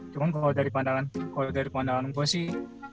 cuma kalau dari pandangan gue sih